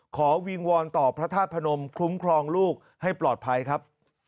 วิงวอนต่อพระธาตุพนมคุ้มครองลูกให้ปลอดภัยครับ